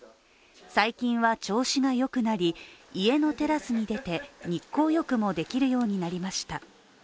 最近は調子がよくなり、家のテラスに出て日光浴もできるようになりました。